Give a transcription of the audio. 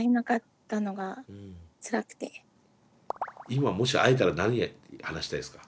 今もし会えたら何話したいですか。